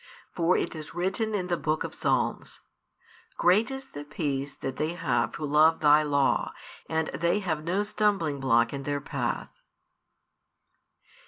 For it is written in the Book of Psalms: Great is the peace that they have who love Thy law; and they have no stumblingblock in their path.